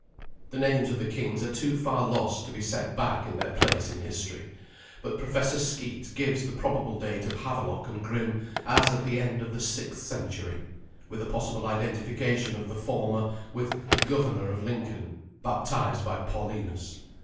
The names of the kings are too far lost to be set back in their place in history, but Professor Skeet gives the probable date of Havelok and Grim as at the end of the sixth century, with a possible identification of the former with the "governor of Lincoln" baptized by Paulinus.